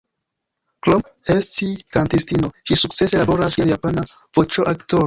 Krom esti kantistino, ŝi sukcese laboras kiel japana voĉoaktoro.